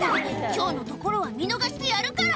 今日のところは見逃してやるから」